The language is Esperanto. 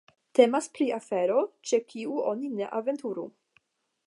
Temas pri afero, ĉe kiu oni ne aventuru.